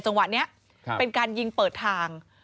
จังหวะนี้เป็นการยิงเปิดทาง